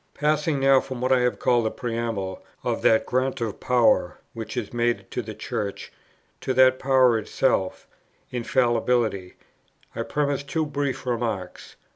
Passing now from what I have called the preamble of that grant of power, which is made to the Church, to that power itself, Infallibility, I premise two brief remarks: 1.